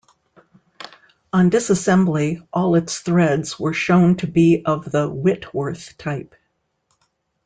On disassembly, all its threads were shown to be of the Whitworth type.